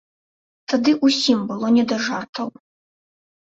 Тады ўсім было не да жартаў.